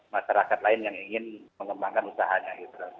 masyarakat lain yang ingin mengembangkan usahanya